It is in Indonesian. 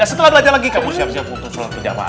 dan setelah belajar lagi kamu siap siap untuk selalu berjamaah